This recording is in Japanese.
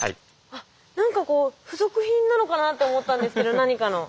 あっ何かこう付属品なのかなと思ったんですけど何かの。